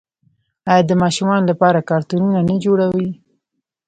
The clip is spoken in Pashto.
آیا د ماشومانو لپاره کارتونونه نه جوړوي؟